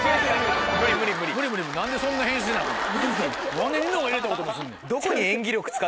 何でニノが入れたことにすんねん。